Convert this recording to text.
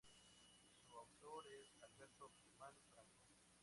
Su autor es Alberto Germán Franco.